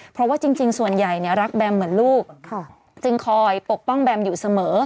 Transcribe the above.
เพราะว่าจริงส่วนใหญ่รักแบมเหมือนลูกจึงคอยปกป้องแบมอยู่เสมอ